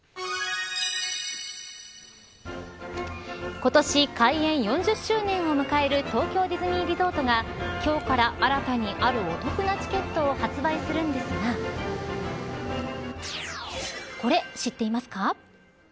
今年開園４０周年を迎える東京ディズニーリゾートが今日から新たに、あるお得なチケットを発売するんですがこれ、知っていますか。